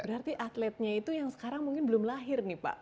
berarti atletnya itu yang sekarang mungkin belum lahir nih pak